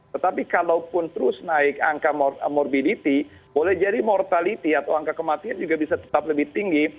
tetapi kalaupun terus naik angka morbidity boleh jadi mortality atau angka kematian juga bisa tetap lebih tinggi